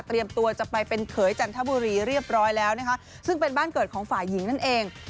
ตัวจะไปเป็นเขยจันทบุรีเรียบร้อยแล้วนะคะซึ่งเป็นบ้านเกิดของฝ่ายหญิงนั่นเอง